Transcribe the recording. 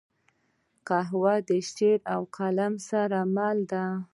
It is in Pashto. قهوه د شاعر له قلم سره مل ده